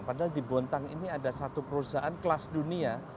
padahal di bontang ini ada satu perusahaan kelas dunia